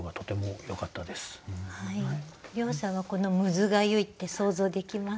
涼さんはこの「むずがゆい」って想像できますか？